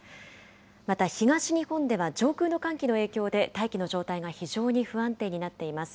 また、東日本では上空の寒気の影響で大気の状態が非常に不安定になっています。